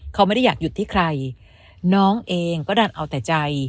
เขาไม่ได้อยากหยุดที่ใครน้องเองก็ดันเอาแต่ใจ